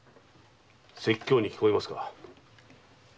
説教に聞こえますか？